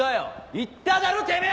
言っただろてめぇ！